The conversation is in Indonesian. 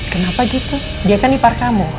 kenapa gitu dia kan di parkamu